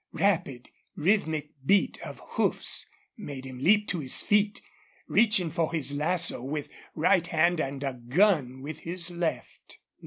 Rapid, rhythmic beat of hoofs made him leap to his feet, reaching for his lasso with right hand and a gun with his left.